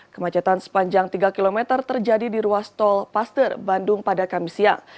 kemacetan sepanjang tiga km terjadi di ruas tol paster bandung pada kamis siang